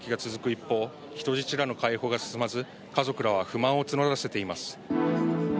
一方人質らの解放が進まず家族らは不満を募らせています。